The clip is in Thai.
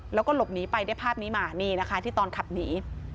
แล้วก็หลบหนีไปได้ภาพนี้มานี่นะคะที่ตอนขับหนี